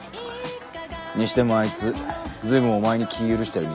にしてもあいつずいぶんお前に気ぃ許してるみたいだな。